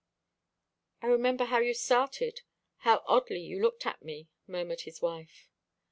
"I remember how you started, how oddly you looked at me," murmured his wife.